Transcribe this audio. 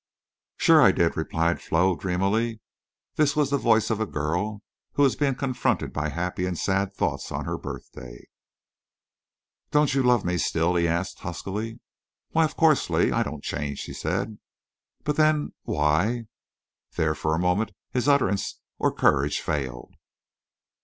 "Shore I did," replied Flo, dreamily. This was the voice of a girl who was being confronted by happy and sad thoughts on her birthday. "Don't you—love me—still?" he asked, huskily. "Why, of course, Lee! I don't change," she said. "But then, why—" There for the moment his utterance or courage failed.